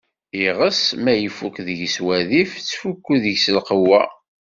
Iɣes ma ifukk deg-s wadif, tettfukku deg-s lqewwa.